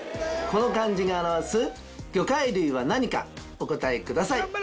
この漢字が表す魚介類は何かお答えください